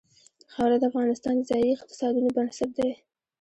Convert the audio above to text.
خاوره د افغانستان د ځایي اقتصادونو بنسټ دی.